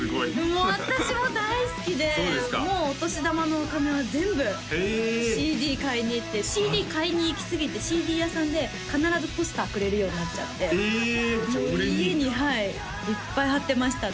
もう私も大好きでもうお年玉のお金は全部ＣＤ買いに行ってＣＤ買いに行きすぎてＣＤ屋さんで必ずポスターくれるようになっちゃってもう家にはいいっぱい張ってましたね